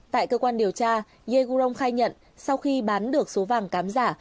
tại cơ quan điều tra ye gurong khai nhận sau khi bán được số vàng cám dạ